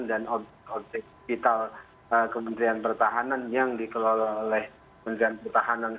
dan objek objek vital kementerian pertahanan yang dikelola oleh kementerian pertahanan